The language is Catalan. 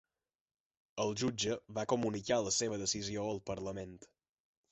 El jutge va comunicar la seva decisió al Parlament